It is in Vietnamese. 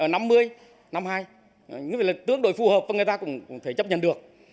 những lực tượng đối phù hợp của người ta cũng thể chấp nhận được